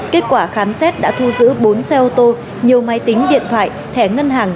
kết quả khám xét đã thu giữ bốn xe ô tô nhiều máy tính điện thoại thẻ ngân hàng